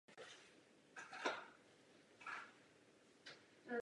Město bylo založeno řeckými kolonisty a stalo se významným obchodním centrem jižního Středomoří.